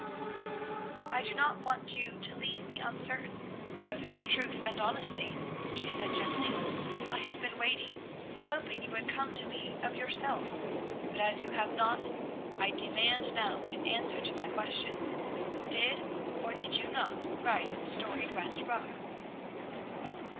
"I do not want you to leave me uncertain both of your truth and honesty," she said gently. "I have been waiting, hoping you would come to me of yourself, but as you have not, I demand now an answer to my question. Did, or did you not write 'Storied West Rock'?"